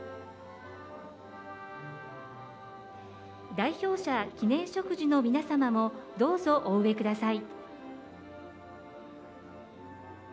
代表者記念植樹の皆様もどうぞ、お植えください。